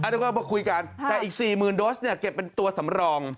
แล้วก็คุยกันแต่อีก๔๐๐๐๐โดสเก็บเป็นตัวสำรอง